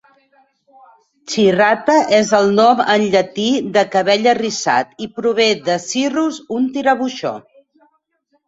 "Cirrhata" és el nom en llatí de "cabell arrissat" i prové de "cirrus", un tirabuixó.